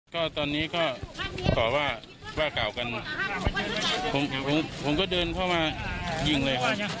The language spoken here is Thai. ก็ตอนนี้ก็ต่อว่าว่ากล่าวกันผมก็เดินเข้ามายิงเลยครับ